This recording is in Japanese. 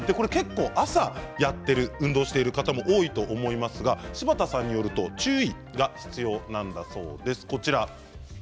朝、運動している方も多いと思いますが柴田さんによると注意が必要なんだそうです。